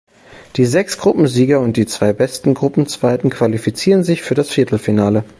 Die sechs Gruppensieger und die zwei besten Gruppenzweiten qualifizieren sich für das Viertelfinale.